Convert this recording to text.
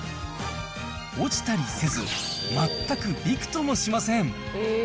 落ちたりせず、全くびくともしません。